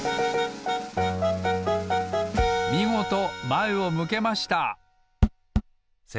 みごとまえを向けました！